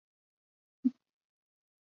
杨珙开始封为南昌郡公。